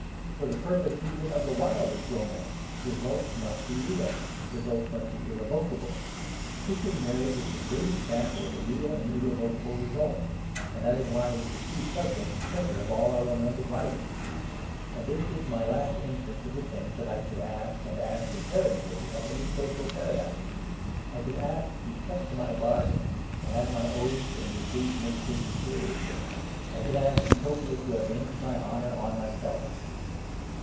For the purpose even of the wildest romance results must be real; results must be irrevocable. Christian marriage is the great example of a real and irrevocable result; and that is why it is the chief subject and centre of all our romantic writing. And this is my last instance of the things that I should ask, and ask imperatively, of any social paradise; I should ask to be kept to my bargain, to have my oaths and engagements taken seriously; I should ask Utopia to avenge my honour on myself.